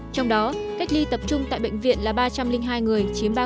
trong đó cách ly tập trung tại bệnh viện là ba trăm linh hai người chiếm ba